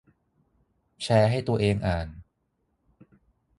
แชร์ให้ตัวเองอ่าน